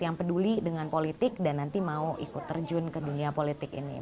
yang peduli dengan politik dan nanti mau ikut terjun ke dunia politik ini